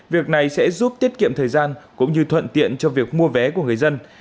việc này sẽ giúp tiết kiệm thời gian cũng như thuận tiện cho việc mua vé của người dân